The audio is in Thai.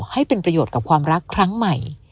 ให้เป็นประโยชน์กับความรักครั้งใหม่